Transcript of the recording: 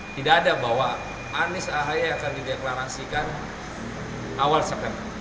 tidak ada bahwa anies ahy akan dideklarasikan awal september